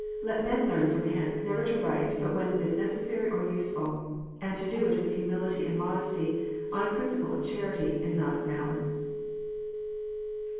Let men learn from hence never to write but when it is necessary or useful, and to do it with humility and modesty, on a principle of charity, and not of malice."